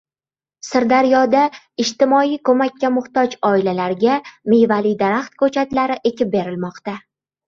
Sirdaryoda ijtimoiy ko‘makka muxtoj oilalarga mevali daraxt ko‘chatlari ekib berilmoqda